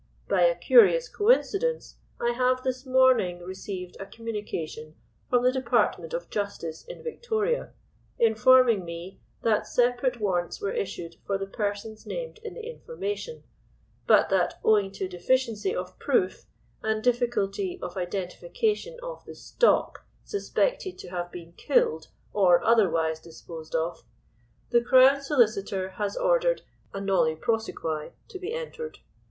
By a curious coincidence I have this morning received a communication from the Department of Justice in Victoria informing me that separate warrants were issued for the persons named in the information, but that, owing to deficiency of proof and difficulty of identification of the stock suspected to have been killed or otherwise disposed of, the Crown Solicitor has ordered a Nolle Prosequi to be entered.